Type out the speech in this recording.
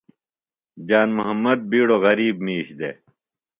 جان محمد بِیڈوۡ غریب مِیش دےۡ۔